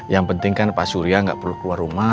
yang penting kan pak surya nggak perlu keluar rumah